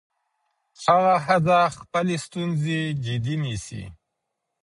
هغه ښځه خپلې ستونزې جدي نيسي.